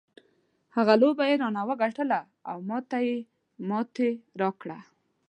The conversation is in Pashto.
هغه لوبه یې رانه وګټله او ما ته یې ماتې راکړه.